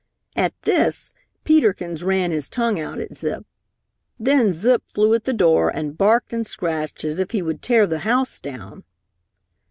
At this Peter Kins ran his tongue out at Zip. Then Zip flew at the door and barked and scratched as if he would tear the house down.